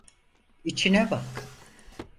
İçine bak.